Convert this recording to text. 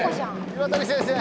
岩谷先生